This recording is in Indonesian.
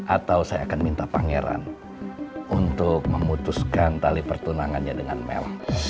atau saya akan minta pangeran untuk memutuskan tali pertunangannya dengan mel